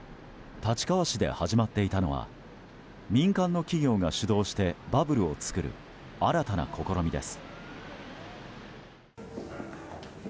立川市で始まっていたのは民間の企業が主導してバブルを作る新たな試みです。